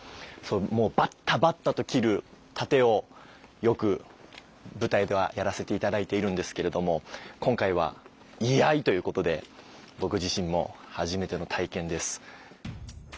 もうバッタバッタと斬る殺陣をよく舞台ではやらせて頂いているんですけれども今回は居合ということで僕自身も初めての体験です。